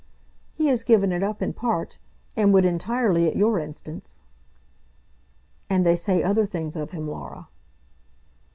"He has given it up in part, and would entirely at your instance." "And they say other things of him, Laura."